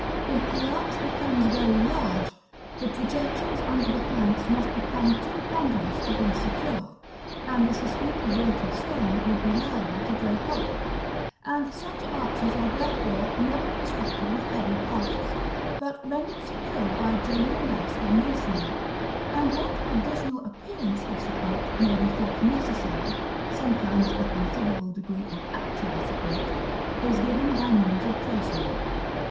If the arch becomes very large, the projections under the flanks must become too ponderous to be secure; the suspended weight of stone would be liable to break off, and such arches are therefore never constructed with heavy cusps, but rendered secure by general mass of masonry; and what additional appearance of support may be thought necessary (sometimes a considerable degree of actual support) is given by means of tracery.